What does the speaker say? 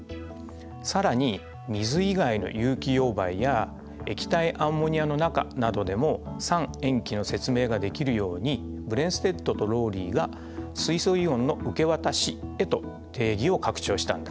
更に水以外の有機溶媒や液体アンモニアの中などでも酸塩基の説明ができるようにブレンステッドとローリーが水素イオンの受け渡しへと定義を拡張したんだ。